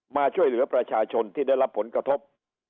มาช่วยเหลือประชาชนที่ได้รับผลกระทบ